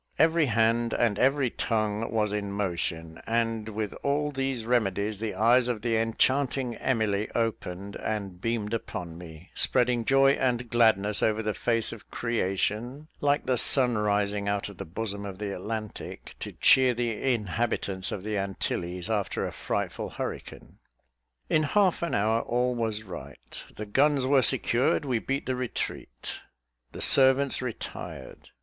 Every hand, and every tongue was in motion; and with all these remedies, the eyes of the enchanting Emily opened, and beamed upon me, spreading joy and gladness over the face of creation, like the sun rising out of the bosom of the Atlantic, to cheer the inhabitants of the Antilles after a frightful hurricane. In half an hour, all was right; "the guns were secured we beat the retreat;" the servants retired.